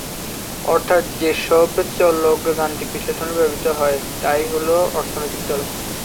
অর্থাৎ যেসব চলক গাণিতিক বিশ্লেষণে ব্যবহূত হয়, তা-ই হলো অর্থনৈতিক চলক।